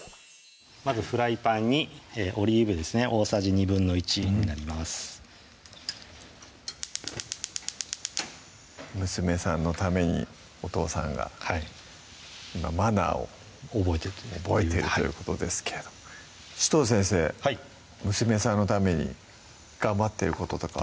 まずフライパンにオリーブ油ですね大さじ１／２になります娘さんのためにお父さんがはい今マナーを覚えてるということですけれども紫藤先生娘さんのために頑張ってることとかありますか？